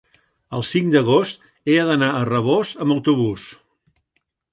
el cinc d'agost he d'anar a Rabós amb autobús.